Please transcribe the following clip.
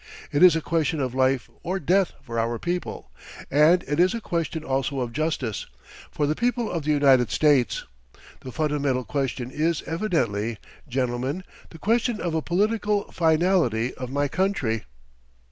It is a question of life or death for our people, and it is a question also of justice, for the people of the United States. The fundamental question is evidently, gentlemen, the question of a political finality of my country....